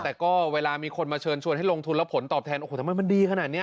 แต่ก็เวลามีคนมาเชิญชวนให้ลงทุนแล้วผลตอบแทนโอ้โหทำไมมันดีขนาดนี้